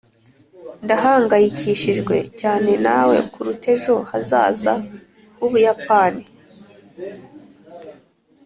ndahangayikishijwe cyane nawe kuruta ejo hazaza h’ubuyapani.